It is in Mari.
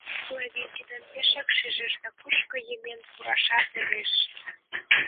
Клави тидым пешак шижеш да кушко йымен пурашат ӧреш.